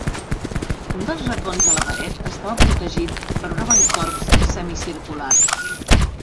Un dels racons de la paret estava protegit per un avant-corps semicircular.